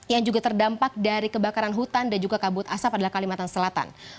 yang juga terdampak dari kebakaran hutan dan juga kabut asap adalah kalimantan selatan